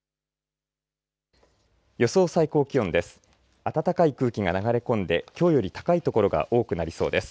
予想最高気温です。